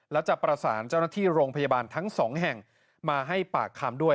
และจะประสานเจ้าหน้าที่โรงพยาบาลทั้งสองแห่งมาให้ปากคำด้วย